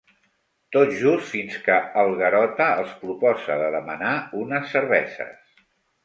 Tot just fins que el Garota els proposa de demanar unes cerveses.